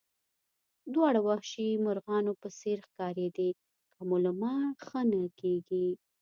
دواړه د وحشي مرغانو په څېر ښکارېدې، که مو له ما ښه نه کېږي.